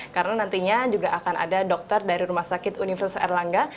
karena nantinya juga akan ada dokter dari rumah sakit universitas erlangga